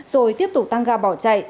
rồi tiếp tục tăng ga bỏ chạy